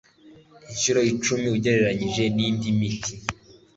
inshuro icumi ugereranyije n'indi miti